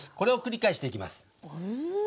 うん！